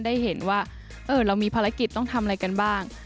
ได้เห็นว่าเรามีภารกิจต้องทำอะไรกันบ้าง